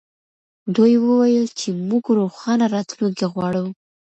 دوی وویل چې موږ روښانه راتلونکې غواړو.